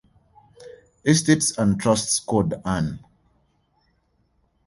Estates and Trusts Code Ann.